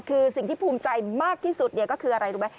คือสิ่งที่ภูมิใจมากที่สุดก็คืออะไรรู้ไหม